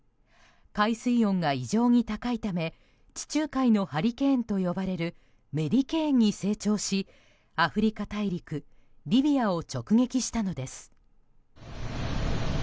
海水温が異常に高いため地中海のハリケーンと呼ばれるメディケーンに成長しアフリカ大陸リビアを直撃したのです。